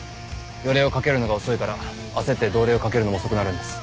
予令をかけるのが遅いから焦って動令をかけるのも遅くなるんです。